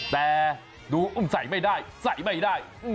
แต่ดูอุ้มใส่ไม่ได้ใส่ไม่ได้